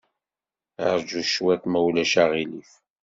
Ṛju cwiṭ, ma ulac aɣilif.